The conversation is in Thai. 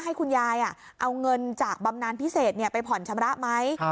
ให้คุณยายเอาเงินจากบำนานพิเศษไปผ่อนชำระไหม